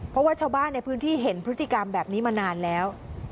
เพราะว่าชาวบ้านในพื้นที่เห็นพฤติกรรมแบบนี้มานานแล้ว